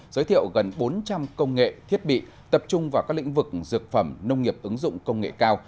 giới thiệu gần bốn trăm linh công nghệ thiết bị tập trung vào các lĩnh vực dược phẩm nông nghiệp ứng dụng công nghệ cao